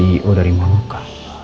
gue dari melaka